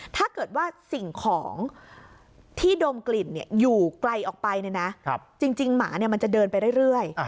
ถ้าเกิดว่าสิ่งของที่ดมกลิ่นอยู่ไกลออกไปจริงหมามันจะเดินไปเรื่อย